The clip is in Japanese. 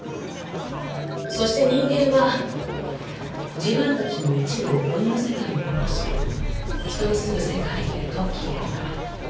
そして人間は自分たちの一部を鬼の世界に残し人の住む世界へと消えた。